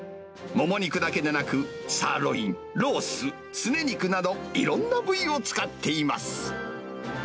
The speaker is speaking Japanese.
もも肉だけでなく、サーロイン、ロース、すね肉など、いろんな部位を使っています。